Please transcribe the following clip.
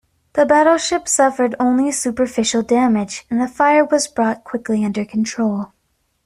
The battleship suffered only superficial damage, and the fire was brought quickly under control.